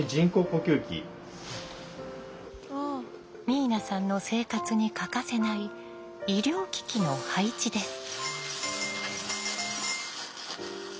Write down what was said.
明奈さんの生活に欠かせない医療機器の配置です。